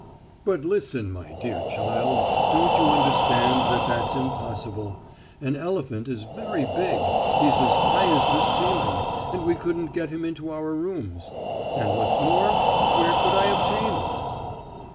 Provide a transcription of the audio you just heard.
"But listen, my dear child. Don't you understand that that's impossible. An elephant is very big; he's as high as the ceiling, and we couldn't get him into our rooms. And what's more, where could I obtain one?"